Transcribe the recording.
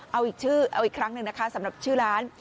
เอาอีกชื่อเอาอีกครั้งหนึ่งนะคะสำหรับชื่อร้าน